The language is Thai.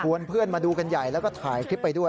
เพื่อนมาดูกันใหญ่แล้วก็ถ่ายคลิปไปด้วย